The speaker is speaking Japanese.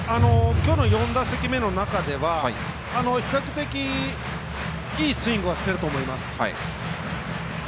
４打席の中では比較的いいスイングはしていると思います。